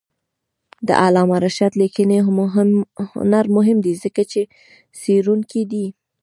د علامه رشاد لیکنی هنر مهم دی ځکه چې څېړونکی دی.